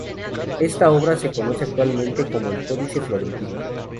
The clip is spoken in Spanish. Esta obra se conoce actualmente como el Códice Florentino.